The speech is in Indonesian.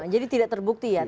jadi tidak terbukti ya